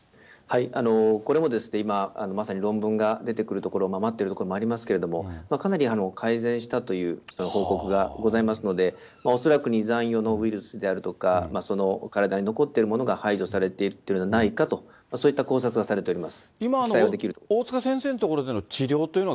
これも今、まさに論文が出てくるところを待ってるところもありますけれども、かなり改善したという報告がございますので、恐らく残余のウイルスであるとか、体に残っているものが排除されているというのではないかという考察がされております。